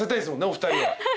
お二人は。